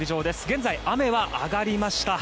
現在、雨は上がりました。